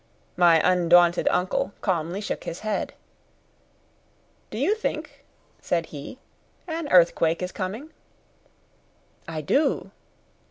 My undaunted uncle calmly shook his head. "Do you think," said he, "an earthquake is coming?" "I do."